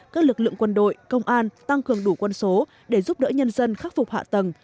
các lực lượng quân đội công an tăng cường đủ quân số để giúp đỡ nhân dân khắc phục hạ tầng